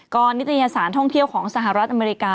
นิตยสารท่องเที่ยวของสหรัฐอเมริกา